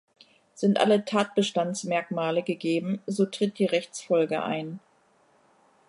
Sind alle Tatbestandsmerkmale gegeben, so tritt die Rechtsfolge ein.